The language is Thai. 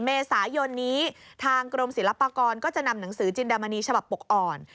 เมษายนนี้ทางกรมศิลปากรก็จะนำหนังสือจินดามณีฉบับปกอ่อน